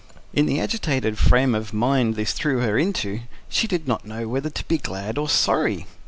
In the agitated frame of mind this threw her into, she did not know whether to be glad or sorry.